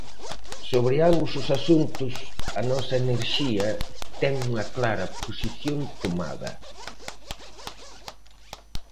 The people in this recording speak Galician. Sobre ambos os asuntos, A Nosa Enerxía ten unha clara posición tomada.